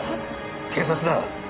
警察だ。